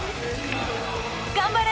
頑張れ！